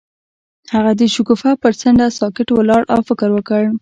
هغه د شګوفه پر څنډه ساکت ولاړ او فکر وکړ.